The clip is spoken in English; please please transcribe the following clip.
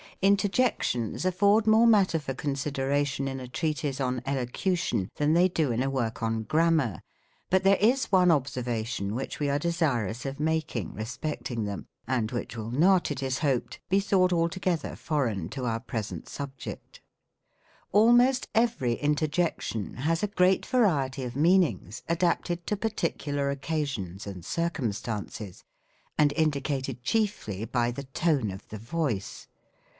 Interjections afford more matter for consideration in a Treatise on Elocution than they do in a work on Grammar ; but there is one observa tion which we are desirous of making respecting thcni, and which will not, it is hoped, be thought altogether foreign to our present subject. Almost every interjec tion has a great variety of meanings, adapted to par ticular occasions and circumstances, and indicated chiefly by the tone of the voice.